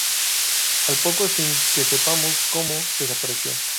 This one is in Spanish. Al poco, sin que sepamos cómo, desapareció.